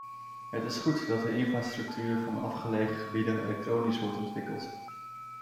Het is goed dat de infrastructuur van afgelegen gebieden elektronisch wordt ontwikkeld.